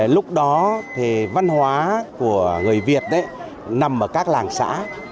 lúc đó thì văn hóa của người việt nằm ở các làng xã